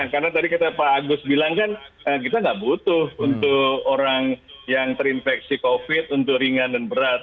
karena tadi pak agus bilang kan kita tidak butuh untuk orang yang terinfeksi covid untuk ringan dan berat